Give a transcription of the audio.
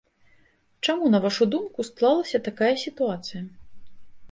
Чаму, на вашу думку, склалася такая сітуацыя?